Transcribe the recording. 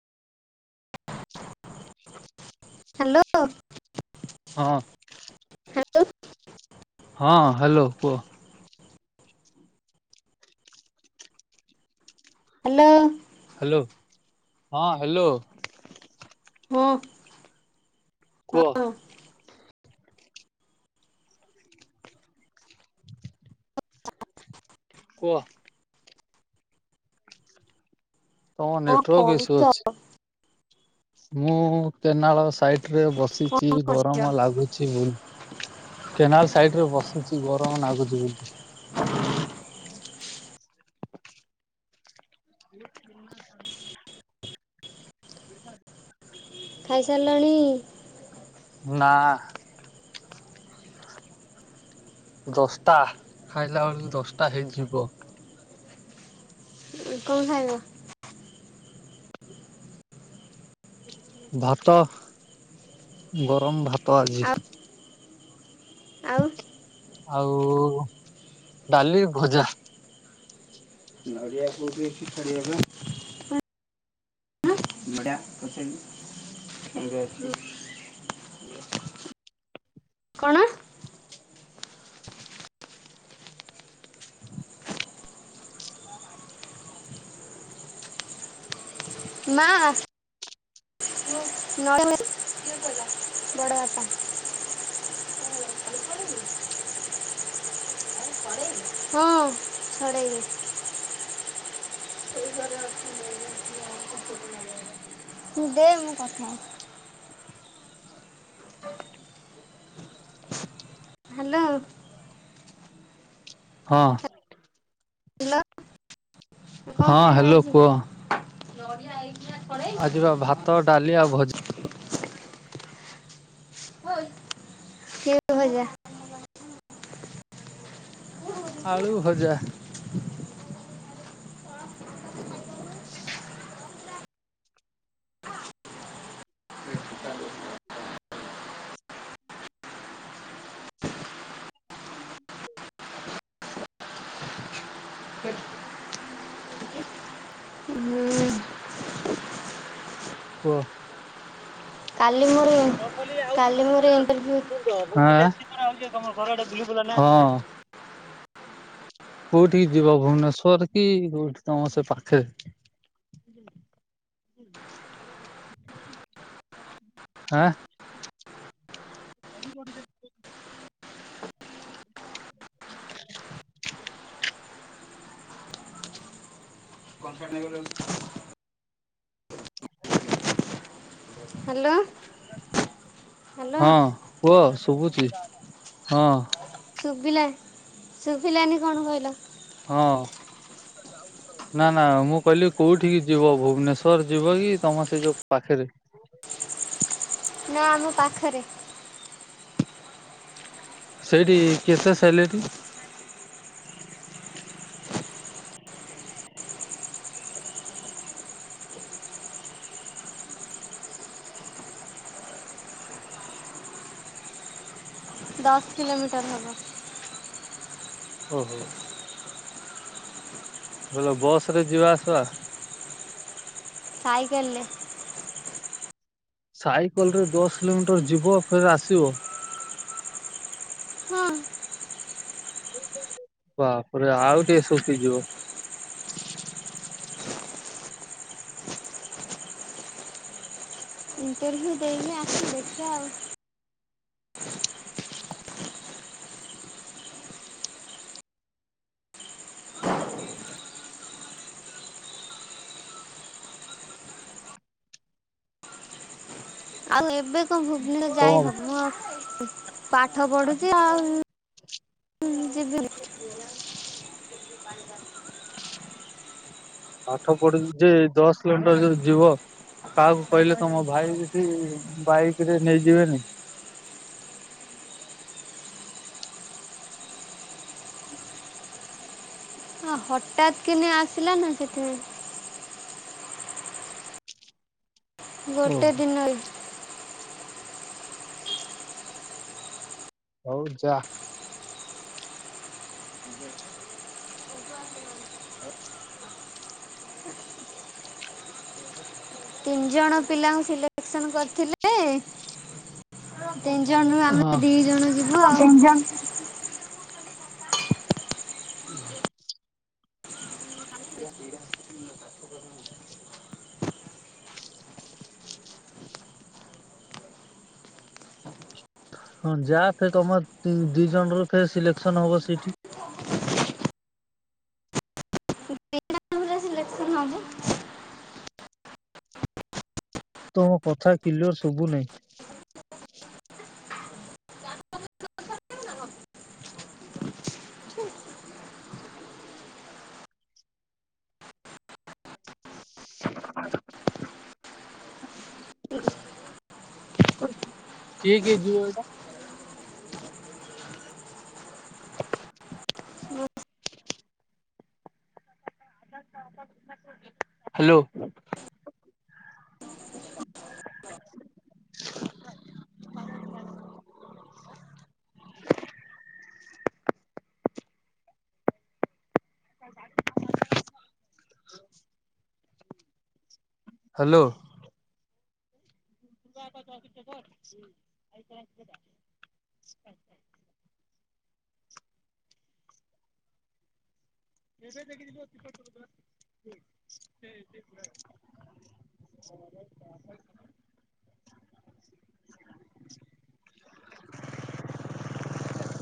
Hello. ହଁ। Hello ହଁ hello କୁହ। ହ୍ୟାଲୋ। ହ୍ୟାଲୋ ହଁ ହ୍ୟାଲୋ। ହଁ। କୁହ। ହଁ କହ। ତମ କଣ କରୁଚ? ମୁ କେନାଳ ସାଇଡ ରେ କଣ ବସିଚି କରୁଛ? ଗରମ ଲାଗୁ ଚି ବୁଲ୍ କେନାଲ ସାଇଡ ରେ ବସିଛି ଗରମ ନାଗୁଛି ବୁଲୁଚି। [unintelligible] [unintelligible] ଖାଇସାରିଲଣି? ନା। ଦଶଟା ଖାଇଲା ବେଳକୁ ଦଶଟା ହେଇଯିବ। କଣ ଖାଇବ। ଭାତ ଗରମ ଭାତ ଆଜି। ଆଉ ଆଉ। ଆଉ ଡାଲି ଭଜା। ନଡ଼ିଆକୁ ବି [unintelligible] ବଡ଼ିଆ ପଶଙ୍ଗଛି। କଣ। ମା। ନଡି ଆବାଡି ବଡ ବାପା। [inaudible] ହଁ ଛଡେଇଦେ। ଦେ ମୁଁ କଥା ହାଲୋ। ହଁ। ହ୍ୟାଲୋ ହଁ ହାଲୋ କୁହ। ନଡିଆ ହେଇକି ଆ ଆଜିର ଭାତ ଡାଲି ଆଉ ଭଜ୍ କେ ଭଜା। ଆଳୁ ଭଜା। [inaudible] [inaudible] [inaudible] ହୁଁ। କୁଓ। କାଲି ମୋରୋ କାଲି ମୋର ଇଣ୍ଟର୍ଭିୟୁ। ଆଁ ହଁ। କୋଉଠି କି ଯିବ ଭୁବନେଶ୍ଵର୍ କି କୋଉଠି ତମ ସେ ପାଖେ। ଆ। [unintelligible] [unintelligible] [inaudible] ହାଲୋ। ହଁ କୁଅ ଶୁବୁଚି ହଁ। ଶୁଭିଲା ଶୁଭିଲାନି କଣ କହିଲ। ହଁ। ନା ନା ମୁଁ କହିଲି କୋଉଠିିକି ଯିବ ଭୁବ୍ନେଶ୍ଵର୍ ଯିବ କି ତମ ସେ ଯୋଉ ପାଖେରେ। ନା ଆମ ପାଖରେ। ସେଇଠି କେତେ ସେଲେରି। ଦଶ୍ କିଲୋମିଟର୍ ହେବ। ଓହୋ। ବୋଲ ବସ୍ ରେ ଯିବା ଆସିବା। ସାଇ କଲ୍ରେ। ସାଇକଲ୍ ରେ ଦଶ୍ କିଲୋମିଟର୍ ଯିବ ଫେରେ ଆସିବ। ହଁ। ବାପ୍ରେ ଆଉ ଟିକେ ଶୁଖିଯିବ। ଇଣ୍ଟର୍ଭିୟୁ ଦେଇନି ଆସ ଦେଖିଆ ଆଉ। ଆଉ ଏବେ କଣ ଭୁବନେ ତମ ଯାଇ ହବ ପାଠ ପଢୁଛି ଆଉ। ଯିବିନି। ପାଠ ପଢୁ ଯେ ଦଶ୍ କିଲୋମିଟର୍ ଯୋଉ ଯିବ। କାହାକୁ କହିଲେ ତମ ଭାଇ ବିଠି ବାଇକ ରେ ନେଇଯିବେନି,? [inaudible] ଆ ହଠାତ୍ କିନି ଆସିଲା ନା ସେଥିପାଇଁ। ଗୋଟେ ଓହୋ। ଦିନରେ। ହଉ ଯା [inaudible] ତିନିଜଣ ପିଲାଙ୍କୁ ସିଲେକ୍ସନ୍ କରିଥିଲେ। ତିନି ଜଣରୁ ହଁ ଆମେ ଦି ଜଣ ଯିବୁ ଆଉ। ହୁଁ। [inaudible] ହଁ ଯାହା ଫେରେ ତମ ଦି ଜଣରୁ ଫେରେ ସିଲେକ୍ସନ ହବ ସେଇଠି। [inaudible] ନହେଲେ ସିଲେକ୍ସନ୍ ହେବୁ। ତମ କଥା କିଲଅର ସୁବୁ ନେଇଁ। [inaudible] ହୁ। କିଏ କକିଏ ଜିବ ଏଟା? [inaudible] ହ୍ୟାଲୋ। [inaudible] ହ୍ୟାଲୋ। [inaudible] ଏବେ ଦେଖିିବ। [inaudible] [inaudible]